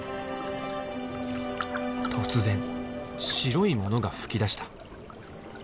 突然白いものが噴き出した。